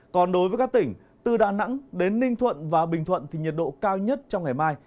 còn đối với các tỉnh từ đà nẵng đến ninh thuận và bình thuận thì nhiệt độ cao nhất trong ngày mai